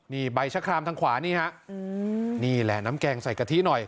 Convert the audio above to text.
นี่ใบชะครามทางขวานี่ฮะนี่แหละน้ำแกงใส่กะทิหน่อย